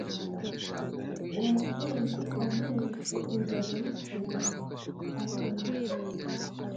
Umukinzi ampingutse imbere n’isuri arumirwa